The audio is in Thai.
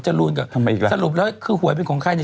จรูนก็ทำไมอีกแล้วสรุปแล้วคือหวยเป็นของใครเนี่ย